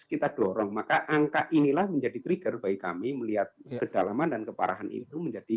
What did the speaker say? kita dorong maka angka inilah menjadi trigger bagi kami melihat kedalaman dan keparahan itu menjadi